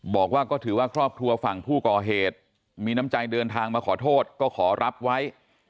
บอกว่าก็ถือว่าครอบครัวฝั่งผู้ก่อเหตุมีน้ำใจเดินทางมาขอโทษก็ขอรับไว้